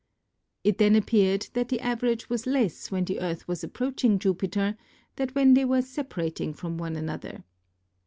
It then appeared that the average was less when the Earth was approaching Jupiter than when they were separating from one another.